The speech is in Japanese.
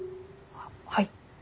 はい。